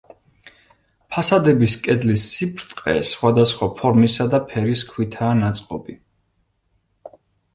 ფასადების კედლის სიბრტყე სხვადასხვა ფორმისა და ფერის ქვითაა ნაწყობი.